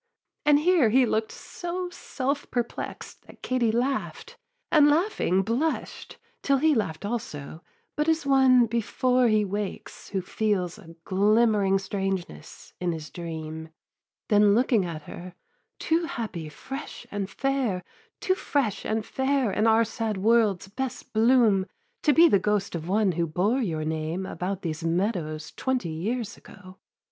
and here he look'd so self perplext, That Katie laugh'd, and laughing blush'd, till he Laugh'd also, but as one before he wakes, Who feels a glimmering strangeness in his dream. Then looking at her; 'Too happy, fresh and fair, Too fresh and fair in our sad world's best bloom, To be the ghost of one who bore your name About these meadows, twenty years ago.'